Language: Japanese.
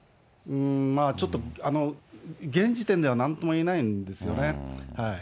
ちょっと現時点ではなんとも言えないんですよね。